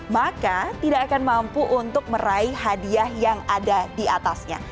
maka tidak akan mampu untuk meraih hadiah yang ada di atasnya